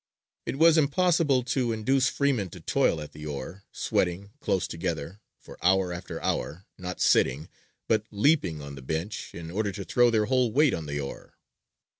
It was impossible to induce freemen to toil at the oar, sweating close together, for hour after hour not sitting, but leaping on the bench, in order to throw their whole weight on the oar.